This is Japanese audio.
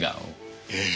ええ。